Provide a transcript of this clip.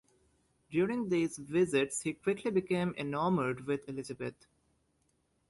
During these visits he quickly became enamoured with Elizabeth.